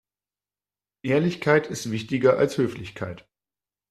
Ehrlichkeit ist wichtiger als Höflichkeit.